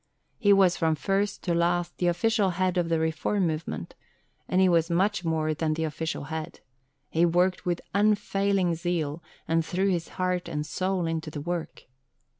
He was from first to last the official head of the reform movement. And he was much more than the official head. He worked with unfailing zeal, and threw his heart and soul into the work.